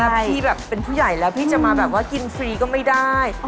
พี่เป็นผู้ใหญ่แล้วพี่จะมากินฟรีก็ไม่ได้